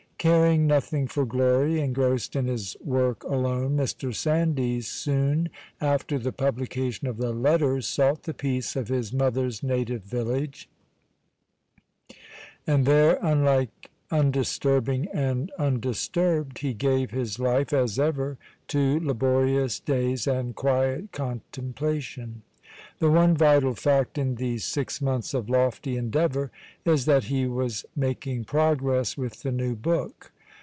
"Caring nothing for glory, engrossed in his work alone, Mr. Sandys, soon after the publication of the 'Letters,' sought the peace of his mother's native village, and there, alike undisturbing and undisturbed, he gave his life, as ever, to laborious days and quiet contemplation. The one vital fact in these six months of lofty endeavour is that he was making progress with the new book.